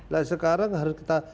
nah sekarang harus kita